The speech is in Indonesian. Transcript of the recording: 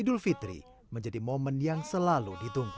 idul fitri menjadi momen yang selalu ditunggu